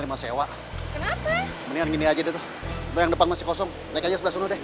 mendingan gini aja deh tuh yang depan masih kosong naik aja sebelah sini deh